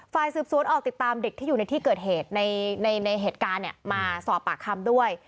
ฝ่ายสืบสวนออกติดตามเด็กที่อยู่ในที่เกิดเหตุในเหตุการณ์มาสอบปากคำด้วย